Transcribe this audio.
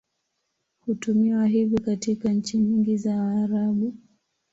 Hutumiwa hivyo katika nchi nyingi za Waarabu.